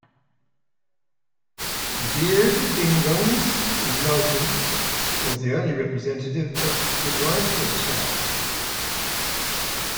Beerdingungs Lauten was the only representative of grindcore style.